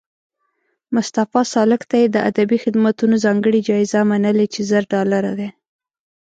مصطفی سالک ته یې د ادبي خدماتو ځانګړې جایزه منلې چې زر ډالره دي